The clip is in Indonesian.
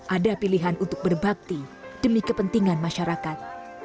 ada pilihan untuk berbakti demi kepentingan masyarakat